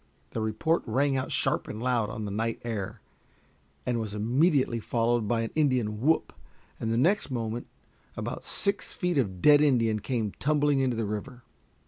The report rang out sharp and loud on the night air, and was immediately followed by an Indian whoop, and the next moment about six feet of dead Indian came tumbling into the river.